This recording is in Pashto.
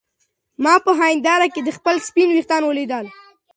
ما په هېنداره کې خپل سپین ويښتان ولیدل.